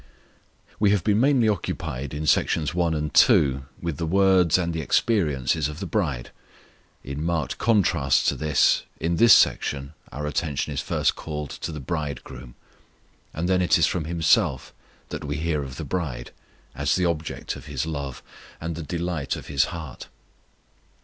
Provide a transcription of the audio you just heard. WE have been mainly occupied in Sections I. and II. with the words and the experiences of the bride; in marked contrast to this, in this section our attention is first called to the Bridegroom, and then it is from Himself that we hear of the bride, as the object of His love, and the delight of His heart.